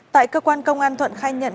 tại cơ quan công an thuận khai nhận